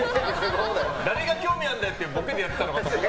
誰が興味あるんだよってボケでやってたのに。